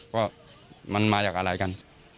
ว่ามันมาจากอะไรกัน